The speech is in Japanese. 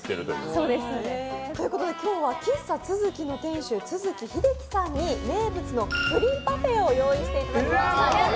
今日は喫茶ツヅキの店主都築秀紀さんに名物のプリンパフェを用意していただきました。